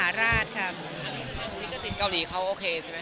อันนี้สิทธิ์เกาหลีเขาโอเคไม